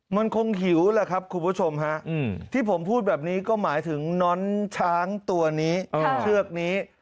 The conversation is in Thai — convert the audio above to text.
มันคงหิวแหละครับคุณผู้ชมฮะที่ผมพูดแบบนี้ก็หมายถึงน้อนช้างตัวนี้เชือกนี้